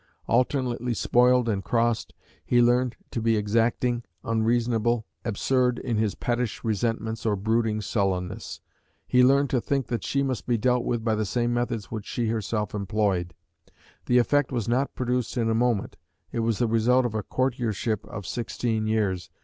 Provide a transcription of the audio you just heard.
Alternately spoiled and crossed, he learned to be exacting, unreasonable, absurd in his pettish resentments or brooding sullenness. He learned to think that she must be dealt with by the same methods which she herself employed. The effect was not produced in a moment; it was the result of a courtiership of sixteen years.